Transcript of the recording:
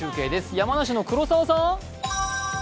山梨の黒澤さん。